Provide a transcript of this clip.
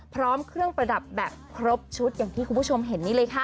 พร้อมเครื่องประดับแบบครบชุดอย่างที่คุณผู้ชมเห็นนี่เลยค่ะ